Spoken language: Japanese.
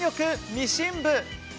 ミシン部」。